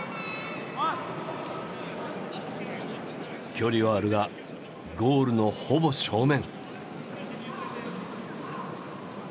距離はあるがゴールのほぼ正面。